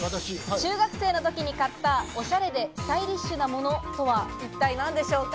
中学生の時に買ったオシャレでスタイリッシュなものとは一体何でしょうか。